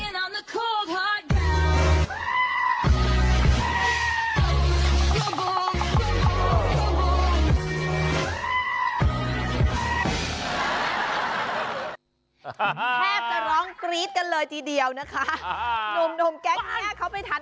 แทบจะร้องกรี๊ดกันเลยทีเดียวนะคะ